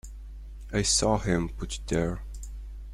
I saw him put it there.